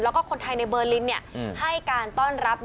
แล้วก็คนไทยในเบอร์ลินให้การต้อนรับ